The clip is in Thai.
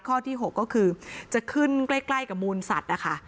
ข้อที่๖ก็คือจะขึ้นใกล้กับมูลสัตว์นะคะ